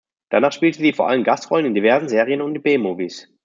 Danach spielte sie vor allem Gastrollen in diversen Serien und in B-Movies.